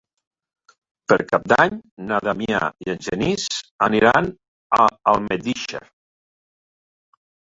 Per Cap d'Any na Damià i en Genís aniran a Almedíxer.